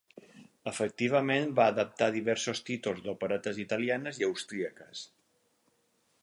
Efectivament va adaptar diversos títols d'operetes italianes i austríaques.